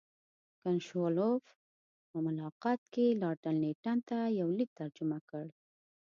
کنټ شووالوف په ملاقات کې لارډ لیټن ته یو لیک ترجمه کړ.